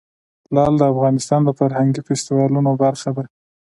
لعل د افغانستان د فرهنګي فستیوالونو برخه ده.